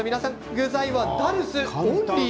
具材はダルスオンリー。